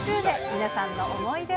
皆さんの思い出は？